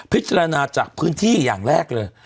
พิจารณาจากพื้นที่อย่างแรกเลย